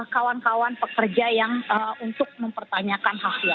kawan kawan pekerja yang untuk mempertanyakan hal hal